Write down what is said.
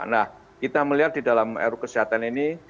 nah kita melihat di dalam ru kesehatan ini